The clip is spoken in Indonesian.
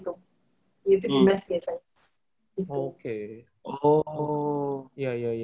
itu di mes kayaknya